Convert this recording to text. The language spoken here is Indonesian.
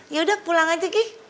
yaudah pulang aja ki